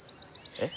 えっ！